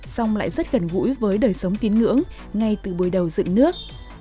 dòng lại rất gần gũi với đời sống tín ngưỡng ngay từ bối đầu dựng nước